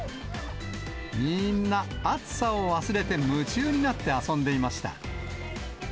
みんな、暑さを忘れて夢中になって遊んでいました。